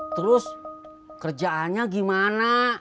terus kerjaannya gimana